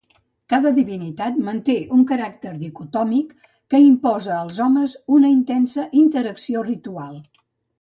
Cada divinitat manté un caràcter dicotòmic que imposa als homes una intensa interacció ritual.